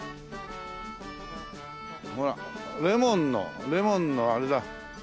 ほらレモンのレモンのあれだ。